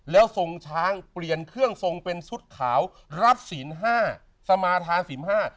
แล้วทรงช้างเปลี่ยนเครื่องทรงเป็นชุดขาวรับศีลห้าสมาธาศีลห้า